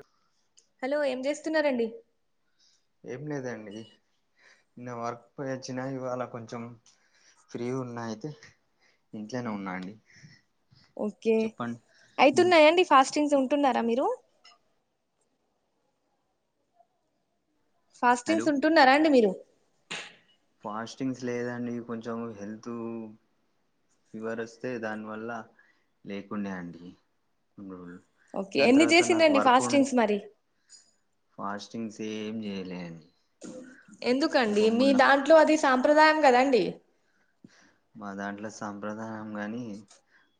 F hello ఏం చేస్తున్నారండి? ఏం లేదండి. నిన్న వర్క్ ఓయివచ్చినా ఇవాళ కొంచెం ఫ్రీ ఉన్నా అయితే ఇంట్లోనే ఉన్నా అండి. ఓకే చెప్పండి ఉమ్, అయితున్నాయండి ఫాస్టింగ్స్ ఉంటున్నారా మీరు? హలో ఫాస్టింగ్స్ ఉంటున్నారా అండి మీరు ఫాస్టింగ్స్ లేదండి కొంచెం హెల్త్ ఫీవర్ వస్తే దాని వల్ల లేకుండే అండి కొన్ని రోజులు ఓకే దాని ఎన్ని తర్వాత నాకు చేసింరండి వర్క్ ఉండి ఫాస్టింగ్స్ మరి ఫాస్టింగ్స్ ఏం చేయలే. ఎందుకండి ఒక మీ మొన్న దాంట్లో అది సాంప్రదాయం కదండి. మా దాంట్లో సాంప్రదాయం గాని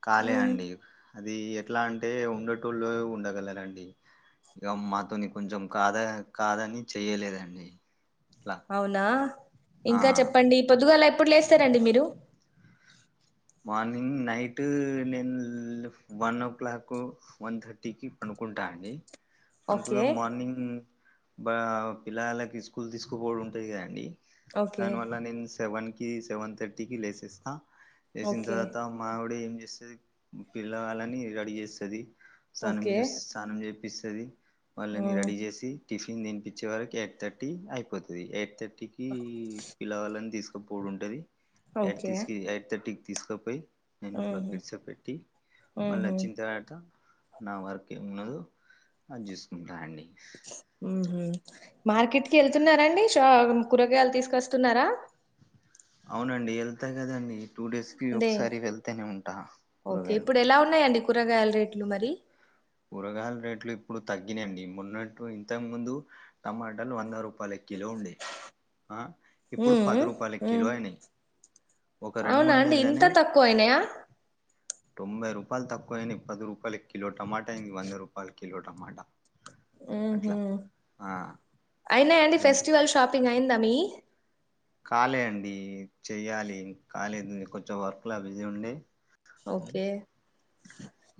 కాలే మ్మ్, అండి. అది ఎట్లా అంటే ఉండేటోళ్లే ఉండగలరండి. ఇగ మాతోని కొంచెం కాదా కాదని చెయ్యలేదండి. అట్లా అవునా ఆ ఇంకా చెప్పండి పొద్దుగాల ఎప్పుడు లేస్తారండి మీరు మార్నింగ్ నైట్ నేను వన్ ఓ క్లాక్ వన్ థర్టీకి పండుకుంటా అండి. ఓకే అంకోసం మార్నింగ్ భా పిల్లలకి స్కూల్ తీసుకోపోడం ఉంటాంది కదండి ఓకే దానివల్ల నేను సెవెన్ సెవెన్ థర్టీకి లేసస్తా లేసిన ఓకే తర్వాత మా ఆవిడి చేస్తది పిల్లగాలని రెడీ చేస్తది స్నానం ఓకే చేస్ స్నానం చేపిస్తే ఉంటది వాళ్లని మ్మ్, రెడీ చేసి టిఫిన్ తినిపించే వరకు ఎయిట్ థర్టీ అయిపోతది ఎయిట్ థర్టీ ఇంటికి పిలగాలని తీసుకుపోవడు ఉంటది ఎట్ ఓకే తీసి ఎయిట్ థర్టీ తీసుకపోయి నేను నైన్ ఓ క్లాక్ కి ఉహు గిడ్స పెట్టి మళ్ళీ వచ్చిన తర్వాత నా వర్క్ ఏమి ఉన్నదో. అది చూసుకుంటా అండి. ఉహుమ్ మార్కెట్ కి వెళ్తున్నారా అండి షా కూరగాయలు తీసుకొస్తున్నారా? అవునండి వెళ్తా కదండి టూ డేస్ అదే ఒకసారి వెళ్తనే ఉంటా ఓకే ఇప్పుడు కూరగాయలకి ఎలా ఉన్నాయండి కూరగాయల రేట్లు మరి. కు కూరగాయల రేట్లు, ఇప్పుడు తగ్గినాయండి. మన్నట్టు, ఇంతక ముందు టమాటాలు వంద రూపాయలకి. కిలో ఉండే. ఆ ఇప్పుడు, ఉమ్ పది రూపాయలకి ఉమ్, కిలో అయినాయి. ఒక రెండు అవునా మూడు అండి? ఇంత నెలలనే తక్కువైనయ్యా. తొంభై రూపాలు తక్కువైనయ్. పది రూపాల, కిలో టమాటా అయింది. వంద రూపాలు కిలో టమాటా. ఉహూ, అట్లా ఆ అయినాయండి? గంతు ఫెస్టివల్ షాపింగ్ అయిందా మీయి? కాలే అండి. చేయాలి ఇం [unintelligible] కాలేదు. ఇంక కొంచెం వర్క్ లా బిజీ ఉండి. ఓకే,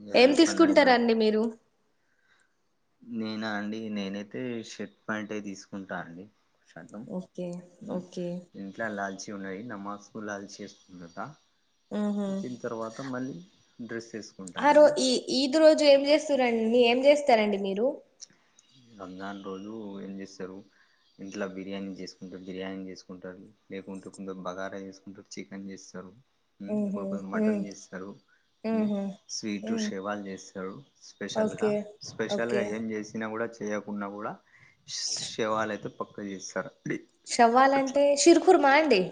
ఇగ ఏం రేపన్న ఎల్లుండి తీసుకుంటారాండి మీరు? నేనా అండి? నేన యితే షర్ట్, ప్యాంట్ తీసుకుంటా అండి. శాతం, ఓకే ఓకే ఇంట్లో లాల్చి. కి ఉన్నాయి. నమాజ్‌ కూ లాల్చీ ఏసుకున్నత, ఉహు వచ్చిన తర్వాత మళ్లీ డ్రెస్. వేసుకుంటా ఆ, రో. అండి ఈ, ఈద్ రోజు ఏం చేస్తురండి? మీ ఏం చేస్తారు అండి మీరు? రంజాన్ రోజు ఏం చేస్తారు? ఇంట్లో బిర్యానీ జేసుకుంటారు, బిర్యానీ జేసుకుంటారు. లేకుంటలు కొందర్ బగారా జేసుకుంటారు, చికెన్ జేస్తారు. హ్మ్మ్, ఉహు కోడూ కొన్ మటన్ జేస్తారు. హ్మ్మ్, ఉహు స్వీట్ ఉమ్ శేవాలు జేస్తారు స్పెషల్ గా. ఓకే స్పెషల్ ఓకే గా ఏం. అయినకూడా చేయకుండా కూడా, శవాలు అయితే పక్క జేస్తార్. శవాల అంటే, షీర్ ఖుర్మా అండి.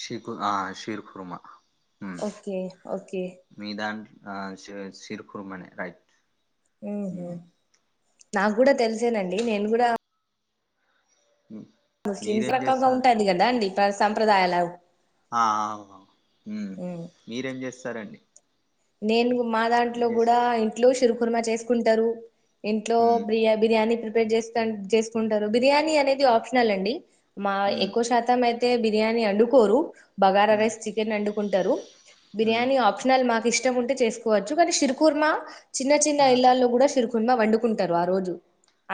షీర్ కు, ఆ షీర్ ఖుర్మా. Okay, okay. దాంట్ ఆ షె, షీర్ ఖుర్మా నే రైట్. ఉహూ, హ్మ్. నాగ గూడా తెలిసేనండి. నేను గూడా. హ్మ్. ముస్లిమ్స్ మీరేం రకంగా చేస్తారు ఉంటాయండి కదా అండి, పా సంప్రదాయాలు. ఆ ఆ, ఊ హ్మ్మ్. మీరేం జేస్తార్ అండి? నేను గు. మా దాంట్లో గూడా ఇంట్లో షీర్ ఖుర్మా చేసుకుంటారు. ఇంట్లో మ్ బ్రియా, బిర్యానీ ప్రిపేర్ జేస్తాన్, జేసుకుంటారు. బిర్యానీ అనేది ఆప్షనల్ అండి. మా మ్ ఎక్కువ శాతం అయితే, బిర్యానీ వోన్డుకోరు బగారా మ్ రైస్ చికెన్ వోన్డుకుంటారు. మ్ బిర్యానీ ఆప్షనల్ మాకు ఇష్టం ఉంటే చేసుకోవచ్చు, కానీ షీర్ ఖుర్మా. చిన్న చిన్న ఇళ్లాల్లో కూడా షీర్ ఖుర్మా వండుకుంటారు ఆ రోజు.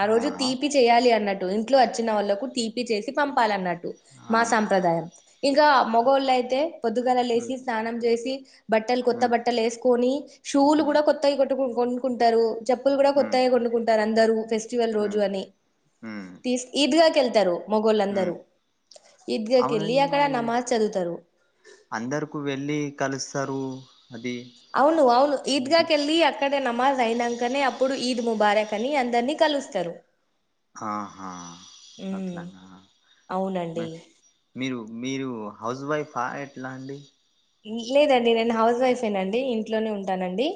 ఆ రోజు తీపి చేయాలి అన్నట్టు. ఇంట్లో వచ్చిన వాళ్లకు, టీపీ చేసి పంపాలన్నట్టు. టు, ఆ మా సాంప్రదాయం. ఇంకా మూగోలు అయితే పొద్దుగల మ్ లేసి, స్నానం చేసి. బట్టలు, కొత్త మ్ బట్టలు ఎసుకొని. షూలు మ్ గూడా కొత్తాయి కొట్టుకు కొనుకుంటారు. చెప్పులు గూడా మ్ కొత్తాయి కొనుకుంటారు. అందరూ ఫెస్టివల్ రోజు మ్ అని మ్ తీస్క్ ఈద్ దగా వెళ్తా. మూగోలు మ్ అందరూ. అవునండి, చదువుతారు అందుకు వెళ్లి కలుస తారు. అవును, అవును ఈద్ గా కెలి. అక్క ఇక్కడ దే నమాజ్. అయినంకా నే, అప్పుడు ఈద్ ముబారక్ అని అందరినీ కలుస్తారు. ఆహా, ఉమ్, అట్లానా. అవునండి మేహా మీరు. మీరు హౌస్ వైఫ్ ఆ? ఎట్లా అండి. లేదండి నేను, హౌస్ వైఫేనండి. ఇంట్లోనే ఉంటానండి.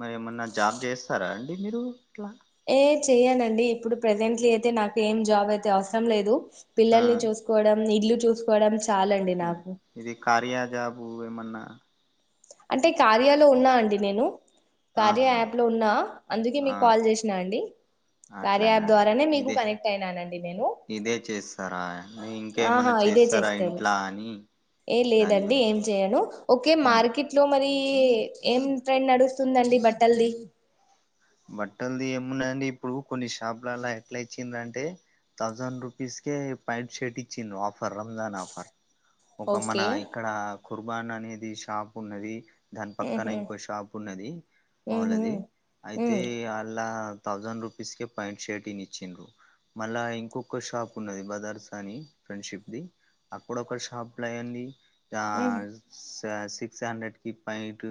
మరి ఏమన్నా జాబ్ చేస్తారా, అండి మీరు? ఇట్లా. ఏ చెయ్యనండి. ఇప్పుడు ప్రెజెంట్లీ అయితే, నాకు ఏం జాబ్ అయితే అవసరం లేదు. ఆ పిల్లల్ని చూసుకోడం, ఇల్లు చూసుకోడం. హ్మ్మ్, ఇది కార్య జాబు ఏమన్నా? అంటే, కార్యాలో ఉన్నా అండి నేను. కార్య ఆహా యాప్ లో ఉన్నా, అందుకే ఆ మీకు కాల్ జేశిన అండి. కార్య అట్లనా యాప్ అండి ద్వారానే మీకు ఇదే కనెక్ట్ అయినానండి నేను ఇదే చేస్తారా? ఆహా ఇంకేమైనా ఇదే చేస్తారా చేస్తారు ఇంట్లో అని, ఏ దాని లేదండి, గురించి ఏం చేయను. ఓకే ఉమ్ మార్కెట్ లో మ మరి ఏం ట్రెండ్ నడుస్తుందండి బట్టలది. బట్టలది ఏమున్నదండీ ఇప్పుడు కొన్ని షాపులలో ఎట్లా ఇచ్చిండ్రన్టే థౌజండ్ రూపీస్కే, ప్యాంట్ షర్ట్ ఇచ్చిండ్రు ఆఫర్ రంజాన్ ఆఫర్. ఒక మన ఓకే ఇక్కడ కుర్బాన్ అనేది షాప్ ఉన్నది. దాని పక్కన ఉహు ఇంకో షాప్ ఉన్నది ఉహు వాళ్ళది ఉ అయితే వా థౌసండ్ రుపీస్ కి ప్యాంట్, షర్ట్ ఇచ్చిండ్రు. మళ్ళా ఇంకొక షాప్ ఉన్నది. బ్రదర్స్ అని ఫ్రెండ్షిప్ ది అక్కడొక్క షాప్లోయండి ఉ సిక్స్ హండ్రెడ్ కి ప్యాంట్,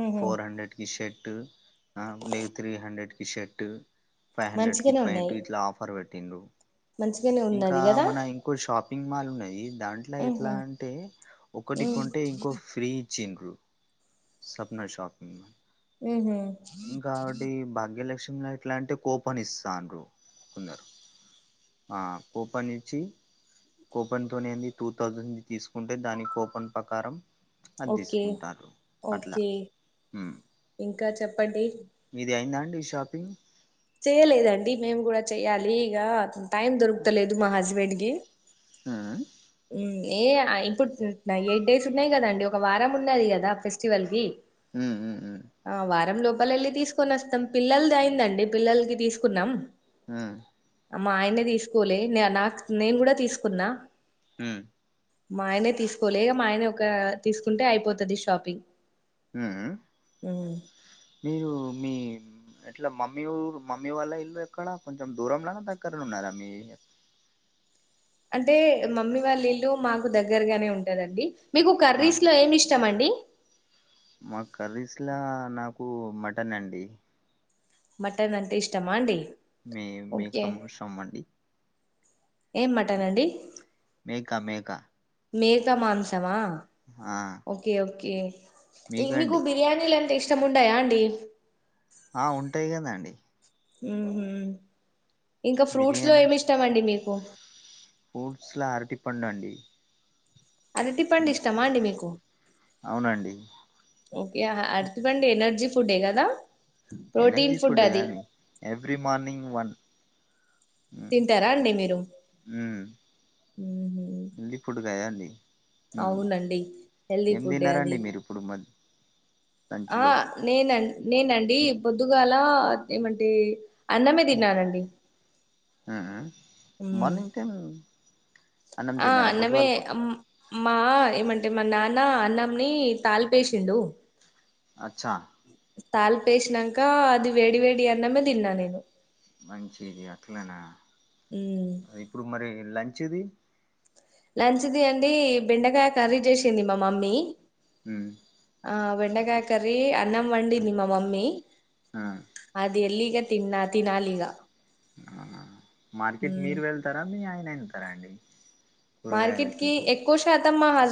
ఉహు ఫోర్ హండ్రెడ్ కి షర్ట్. లే త్రీ హండ్రెడ్ కి షర్ట్, ఫైవ్ హండ్రెడ్ కి మంచిగానే ఉన్నాయి ప్యాంట్ ఇట్లా ఆఫర్ పెడతారు. పెట్టిర్రు. మంచిగానే ఇంకా, ఉన్నది కదా మన ఇంకో షాప్ షాపింగ్ మాల్ ఉన్నాయి. దాంట్లో ఎట్లా ఉహు అంటే ఒకటి ఉ కొంటే ఇంకోటి ఫ్రీ ఇచ్చిండ్రు. సప్న షాప్ ఉహు ఇంకోటి భాగ్యలక్ష్మి అంటే కూపన్ ఇస్తాండ్రు కొందరు. కూపానిచ్చి కూపన్ తోనేంది టూ థౌజండ్ తీసుకుంటే, దాని కూపన్ ప్రకారం అది ఓకే. తీసుకుంటారు అట్లా ఓకే. ఉమ్ ఇంకా చెప్పండి. మీది అయిందా షాపింగ్ చెయలేదండి. మేము కూడా చెయ్యాలి. ఇక టైం దొరుకుతలేదు మా హస్బెండ్ కి. ఆ ఉమ్ ఏ ఇప్పుడు ఎయిట్ డేస్ ఉన్నాయి కదండి. ఒక వారం ఉన్నది కదా ఫెస్టివల్ కి. ఉ ఉ ఊ పలెళ్ళి తీసుకొని వస్తాం పిల్లది అయిందండి. పిల్లలకి తీసుకున్నాం. మ్ మా ఆయన తీసుకోలే, నాకు నేను కూడా తీసుకున్నా. మ్ మా ఆయనే తీసుకోలే, మా ఆయనే ఒక తీసుకుంటే అయిపోతాది షాపింగ్. మ్, ఉమ్ మీరు మీ ఎట్లా మమ్మీ ఊ మమ్మీ వాళ్ళ ఇల్లు ఎక్కడ? కొంచెం దూరంంలోనా దగ్గర ఉన్నారా మీ అంటే మమ్మీ వాళ్ళ ఇల్లు మాకు దగ్గరగానే ఉంటాదండి. మీకు ఆ కర్రీస్లో ఏమి ఇష్టమండి? మా కర్రీస్లా నాకు మటన్ అండి. మటన్ అంటే ఇష్టమా అండి? మీ మీ ఓకే అమృషమండి ఏం మటన్అండి? మేకా మేకా మేక మాంసమా? ఓకే. ఓకే. మీకు మీకండి బిర్యానీలు అంటే ఇష్టం ఉంటయా అండి. ఆ ఉంటాయి కదాండి. ఇంకా ఫ్రూట్స్ లో ఏమి ఇష్టమండి మీకు. ఫ్రూట్స్లో అరటి పండు అండి. అరటి పండు ఉమ్, ఇష్టమా అండి మీకు? అవునండి ఓకే. అరటి పండు ఎనర్జీ ఫుడే కదా? ప్రోటీన్ ఎనర్జీ ఫుడ్ ఫుడే అది గాని, ఎవ్రీ మార్నింగ్ వన్ తింటారా అండి మీరు? మ్మ్ దయఅండి అవునండి హెల్దీ ఫుడే అది తిన్నారండి మీరు ఇప్పుడు మ ఆ లంచ్లో నేన్ నేనండి బొద్దుగాల ఏమంటే అన్నమే తిన్నానండి. ఊహుం హుమ్ అన్నం ఆ తిన్నారా నవే బుధవారం పూట మా అంటే మా నాన్న అన్నంని తాల్పేషెండు అచ్చా తాల్ప వేసినాంక అది వేడి వేడి అన్నమే తిన్నా నేను మంచిది అట్లనా మ్మ్ ఇప్పుడు మరి లంచ్ ది లంచ్ ది అండి బెండకాయ కర్రీ జెసింది మా మమ్మీ ఉమ్ ఆ బెండకాయ కర్రీ అన్నం వండిది మా మమ్మీ ఆ, అది ఎర్లీగా తిన్నా తినాలిగా ఆ. మార్కెట్ ఉమ్ మీరు వెళ్తారా మీ ఆయన వెళ్తారా అండి. కూరగాయలకి మార్కెట్కి ఎక్కువ శాతం మా హస్